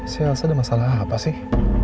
si elsa ada masalah apa sih